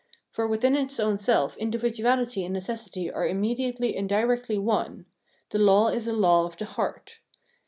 For within its own self individuality and necessity are immediately and directly one ; the law is a law of the heart.